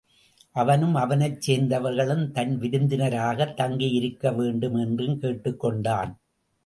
அவனும் அவனைச் சேர்ந்தவர்களும் தன் விருந்தினராகத் தங்கியிருக்க வேண்டும் என்றும் கேட்டுக் கொண்டான்.